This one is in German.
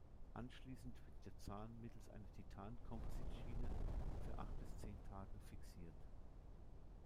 Anschließend wird der Zahn mittels einer Titan-Composit-Schiene für acht bis zehn Tage fixiert.